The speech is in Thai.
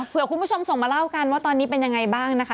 เพื่อคุณผู้ชมส่งมาเล่ากันว่าตอนนี้เป็นยังไงบ้างนะคะ